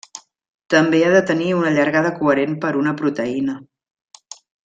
També ha de tenir una llargada coherent per una proteïna.